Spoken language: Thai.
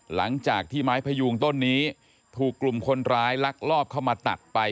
หลังจากที่ไม้พยูงต้นนี้ถูกกลุ่มคนร้ายลักลอบเข้ามาตัดไป